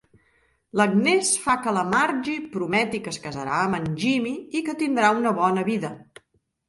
L'Agnès fa que la Margy prometi que es casarà amb en Jimmy i que tindrà una bona vida.